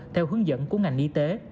theo hướng dẫn của ngành y tế